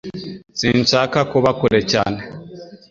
Sinshaka kuba kure cyane